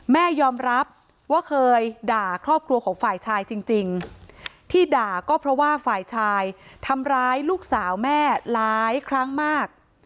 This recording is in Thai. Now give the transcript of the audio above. แม่ยอมรับว่าเคยด่าครอบครัวของฝ่ายชายจริงที่ด่าก็เพราะว่าฝ่ายชายทำร้ายลูกสาวแม่หลายครั้งมาก